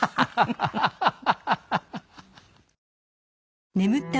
ハハハハ。